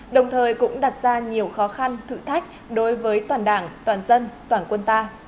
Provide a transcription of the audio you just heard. đồng thời cũng đặt ra nhiều khó khăn thử thách đối với toàn đảng toàn dân toàn quân ta